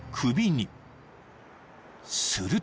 ［すると］